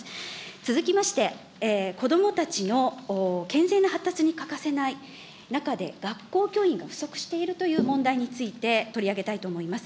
続きまして、子どもたちの健全な発達に欠かせない中で、学校教員が不足しているという問題について取り上げたいと思います。